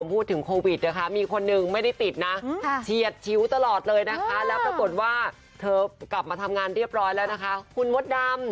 พูดถึงโควิดนะคะมีคนนึงไม่ได้ติดนะเฉียดชิวตลอดเลยนะคะแล้วปรากฏว่าเธอกลับมาทำงานเรียบร้อยแล้วนะคะคุณมดดำ